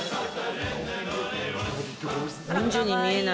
４０に見えない。